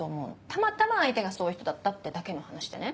たまたま相手がそういう人だったってだけの話でね。